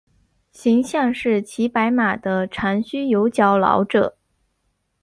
形象是骑白马的长须有角老者。